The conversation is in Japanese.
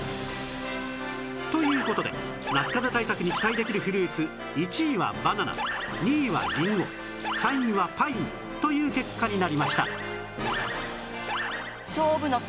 という事で夏かぜ対策に期待できるフルーツ１位はバナナ２位はりんご３位はパインという結果になりました